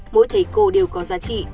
mỗi thầy cô đều có giá trị